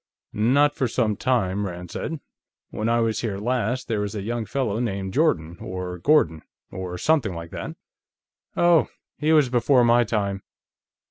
"Not for some time," Rand said. "When I was here last, there was a young fellow named Jordan, or Gordon, or something like that." "Oh. He was before my time."